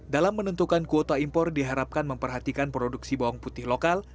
dalam menentukan kuota impor diharapkan memperhatikan produksi bawang putih lokal